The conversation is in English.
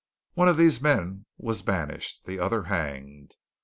One of these men was banished, and the other hanged.